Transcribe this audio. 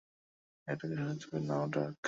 এটাকে সহজ ভাবে নাও, ডার্ক।